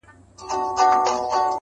خدايه زارۍ کومه سوال کومه-